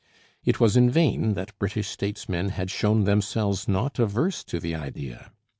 It was in vain that British statesmen had shown themselves not averse to the idea.